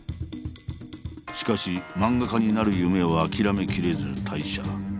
しかし漫画家になる夢を諦めきれず退社。